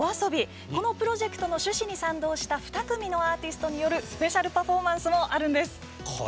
このプロジェクトの趣旨に賛同した２組のアーティストによるスペシャルパフォーマンスがあるんです。